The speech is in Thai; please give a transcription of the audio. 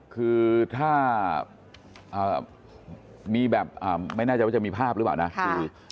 คือถ้ามีแบบไม่แน่ใจว่าจะมีภาพหรือเปล่านะคือ